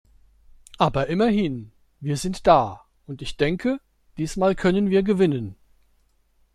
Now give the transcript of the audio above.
Aber immerhin, wir sind da, und ich denke, diesmal können wir gewinnen.